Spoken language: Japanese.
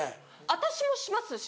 私もしますしね。